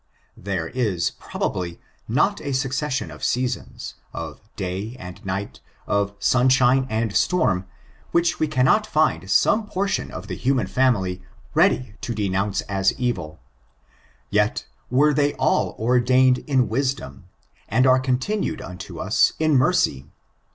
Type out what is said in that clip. There is, probably, not a succession of seasons, of day and night, of sunshine and storm, which we cannot find some portion of the human fiuxuly ready to denounce as evil : yet were they all ordained in wisdom, and are continued unto us in mercy.